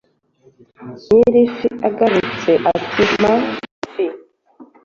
Nyiri ifi agarutse ati: “Mpa ifi